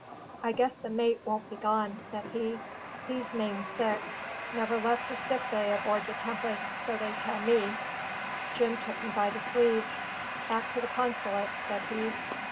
"I guess the mate won't be gone," said he. "He's main sick; never left the sick bay aboard the Tempest; so they tell ME." Jim took me by the sleeve. "Back to the consulate," said he.